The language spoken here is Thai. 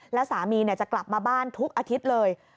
แล้วสามีจะกลับมาบ้านทุกอาทิตย์เลย